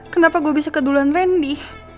kenapa gue bisa keduluan randy